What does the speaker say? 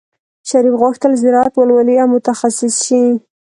شریف غوښتل زراعت ولولي او متخصص شي.